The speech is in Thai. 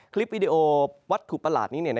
คลิปวิดีโอวัตถุประหลาดนี้